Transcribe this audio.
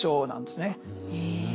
へえ。